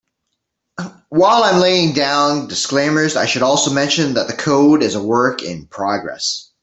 While I'm laying down disclaimers, I should also mention that the code is a work in progress.